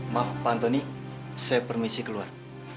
maaf pak antoni saya permisi keluar